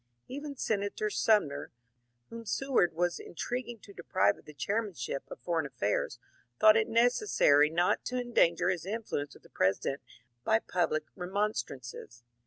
Even Senator Sumner, whom Seward was intriguing to deprive of the chairmanship of foreign af fairs, thought it necessary not to endanger his influence with the President by public remonstrances.